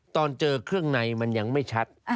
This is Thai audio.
ตอนเจอเครื่องในมันยังไม่ชัด